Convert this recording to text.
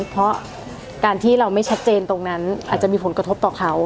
เพราะการที่เราไม่ชัดเจนตรงนั้นอาจจะมีผลกระทบต่อเขา